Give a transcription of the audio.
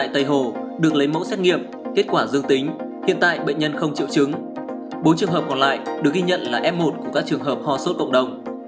bốn trường hợp còn lại được ghi nhận là f một của các trường hợp hò sốt cộng đồng